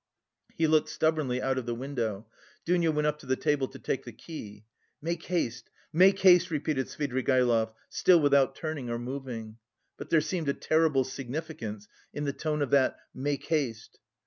He looked stubbornly out of the window. Dounia went up to the table to take the key. "Make haste! Make haste!" repeated Svidrigaïlov, still without turning or moving. But there seemed a terrible significance in the tone of that "make haste."